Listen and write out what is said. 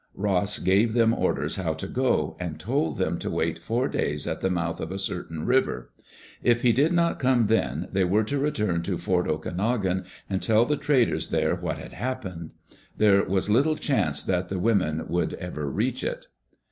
Ross gave them orders how to go, and told them to wait four days at the mouth of a certain river. If he did not come then, they were to return to Fort Okanogan and tell the traders there what had hap pened. [There was little chance that the women would ever reach it.